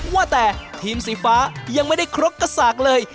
ว่าแต่ทีมสีฟ้ายังไม่ได้ครบกับศักดิ์เลย